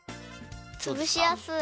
つぶしやすい。